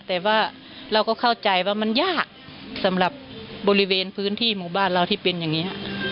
แต่ว่าเราก็เข้าใจว่ามันยากสำหรับบริเวณพื้นที่หมู่บ้านเราที่เป็นอย่างนี้